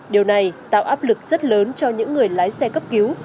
điều này tạo áp lực rất lớn cho những người lái xe cấp cứu